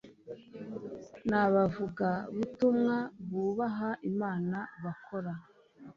nabavugabutumwa bubaha Imana bakora